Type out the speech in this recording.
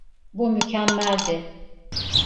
Bu mükemmeldi.